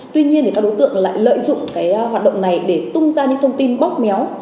tuy nhiên thì các đối tượng lại lợi dụng cái hoạt động này để tung ra những thông tin bóp méo